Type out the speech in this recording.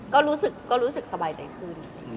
ก็ได้ปลดล๊อคกันก็รู้สึกสบายใจขึ้น